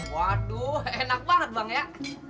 waduh enak banget bang ya